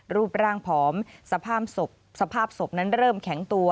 รูปร่างผอมสภาพสบนั้นเริ่มแข็งตัว